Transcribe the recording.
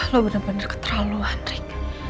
lo bener bener keterlaluan rik